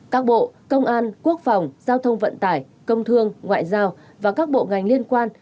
các bộ công an quốc phòng giao thông vận tải công thương ngoại giao và các bộ ngành liên quan